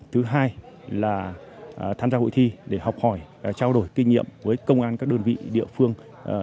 thứ hai là tham gia hội thi để học hỏi trao đổi kinh nghiệm với công an các đơn vị địa phương